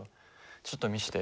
ちょっと見して。